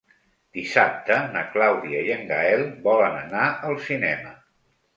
Dissabte na Clàudia i en Gaël volen anar al cinema.